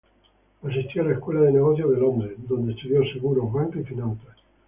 Asistió a la Escuela de Negocios de Londres, donde estudió Seguros, Banca y Finanzas.